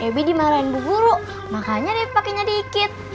debbie dimarahin bu guru makanya debbie pakenya dikit